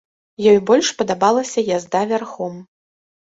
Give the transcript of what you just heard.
Ёй больш падабалася язда вярхом.